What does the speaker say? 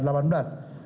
dan setelah itu